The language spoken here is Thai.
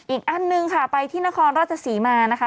อีกอันนึงค่ะไปที่นครราชศรีมานะคะ